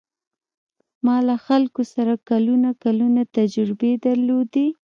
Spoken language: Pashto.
ما له خلکو سره کلونه کلونه تجربې درلودې.